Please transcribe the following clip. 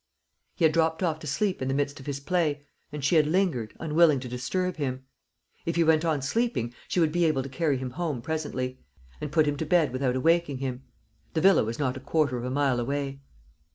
He had dropped off to sleep in the midst of his play; and she had lingered, unwilling to disturb him. If he went on sleeping, she would be able to carry him home presently, and put him to bed without awaking him. The villa was not a quarter of a mile away.